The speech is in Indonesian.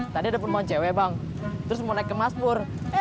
tadi ada penemuan cewek bang terus mau naik ke masbur